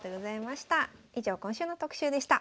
以上今週の特集でした。